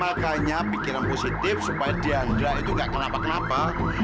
makanya pikiran positif supaya dianra itu gak kenapa kenapa